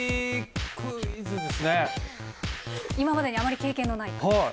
今までにあまり経験のない？